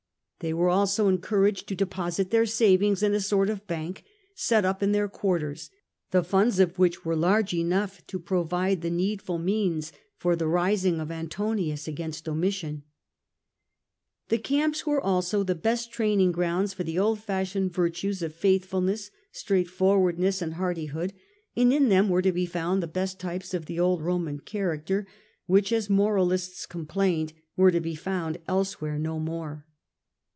They were also encouraged to deposit their savings in a sort of bank set up in their quarters, the funds of which were large enough to provide the needful means for the rising of Antonius against Domitian. The camps were also the best training schools for the old fashioned virtues of faithfulness, straightfor The moiai wardncss, and hardihood, and in them were fStereJin fouud the bcst types of the old Roman the camps by character, which, as moralists complained, were to be found elsewhere no more.